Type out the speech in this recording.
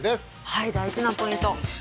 はい大事なポイント。